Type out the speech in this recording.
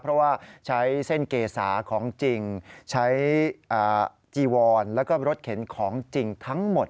เพราะว่าใช้เส้นเกษาของจริงใช้จีวอนแล้วก็รถเข็นของจริงทั้งหมด